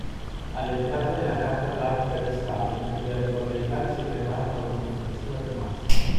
All'entrata nella Carta Atlantica di Stalin, gli anglo-americani si preparano ad una offensiva di massa